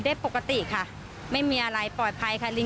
บริเวณหน้าสารพระการอำเภอเมืองจังหวัดลบบุรี